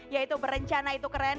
yaitu berencana itu keren